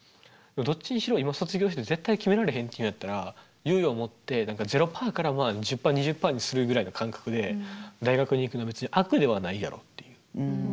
どっちにしろ今卒業して絶対決められへんっていうんやったら猶予を持って０％からまあ１０％２０％にするぐらいの感覚で大学に行くのは別に悪ではないやろっていう。